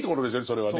それはね。